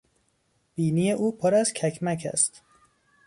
بینی او پر از ککمک است.